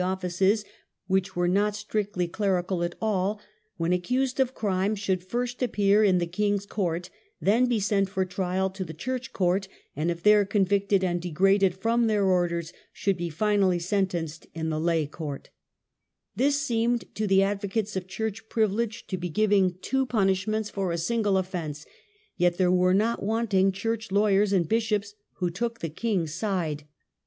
offices which were not strictly clerical at all) when accused of crime should first appear in the king's court, then be sent for trial to the church court, and if there convicted and degraded from their orders, should be finally sen tenced in the lay court This seemed to the advocates of church privilege to be giving two punishments for a single offence; yet there were not wanting church lawyers and bishops who took the king's side.